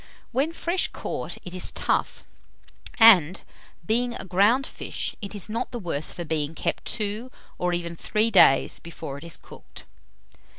When fresh caught, it is tough, and, being a ground fish, it is not the worse for being kept two, or even three days before it is cooked.